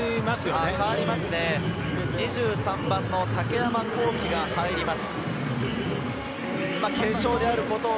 ２３番の竹山晃暉が入ります。